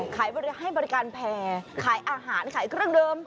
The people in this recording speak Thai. ขายแพร่ให้บริการแพร่ขายอาหารแล้วก็ขายเครื่องเดิม